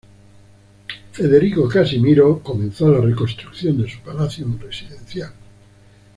Federico Casimiro, comenzó la reconstrucción de su palacio residencial.